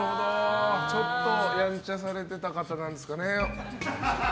ちょっとやんちゃされてた方なんですかね。